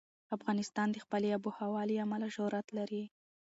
افغانستان د خپلې آب وهوا له امله شهرت لري.